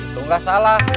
itu gak salah